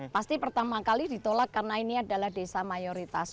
pasti pertama kali ditolak karena ini adalah desa mayoritas